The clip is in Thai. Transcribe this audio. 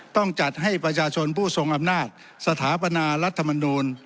ต้องจัดให้ประชาชนผู้ทรงอำนาจสถาปนารัฐมนูล